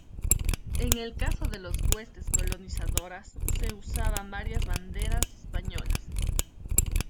En el caso de las huestes colonizadoras, se usaban varias banderas españolas.